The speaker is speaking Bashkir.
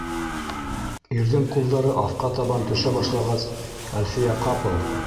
Ирҙең ҡулдары аҫҡа табан төшә башлағас, Әлфиә ҡапыл: